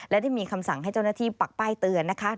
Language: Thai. และได้มีคำสั่งให้เจ้าหน้าที่ปักป้ายเตือนนะคะ